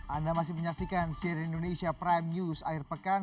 anda masih menyaksikan sire indonesia prime news akhir pekan